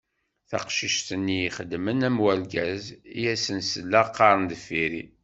Taqcict-nni ixedmen am urgaz, I asen-selleɣ qqaren deffir-i.